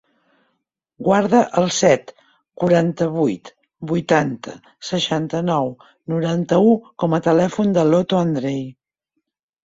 Guarda el set, quaranta-vuit, vuitanta, seixanta-nou, noranta-u com a telèfon de l'Oto Andrei.